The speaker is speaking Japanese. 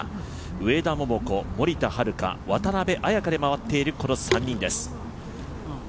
上田桃子、森田遥、渡邉彩香で回っているこの３人です。